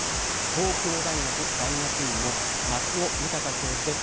東京大学大学院の松尾豊教授です。